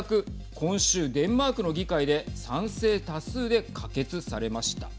今週デンマークの議会で賛成多数で可決されました。